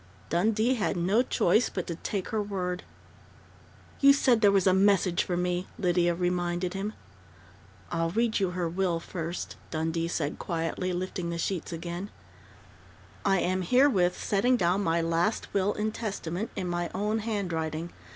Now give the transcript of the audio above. Dundee had no choice but to take her word. "You said there was a message for me," Lydia reminded him. "I'll read you her will first," Dundee said quietly, lifting the sheets again: "I am herewith setting down my last will and testament, in my own handwriting.